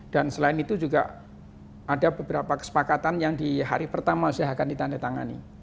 dan selain itu juga ada beberapa kesepakatan yang di hari pertama usia akan ditandatangani